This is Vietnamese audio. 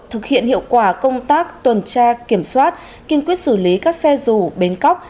thực hiện hiệu quả công tác tuần tra kiểm soát kiên quyết xử lý các xe dù bến cóc